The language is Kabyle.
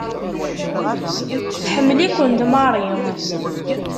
Tḥemmel-ikent Mary.